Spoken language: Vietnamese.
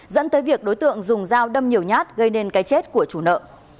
dẫn tới việc đối tượng dùng dao đâm nhiều nhát gây nên cái chết của chủ nợ